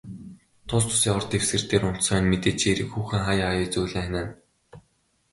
Тус тусын ор дэвсгэр дээр унтсан хойно, мэдээжийн хэрэг хүүхэн хааяа хааяа зөөлөн ханиана.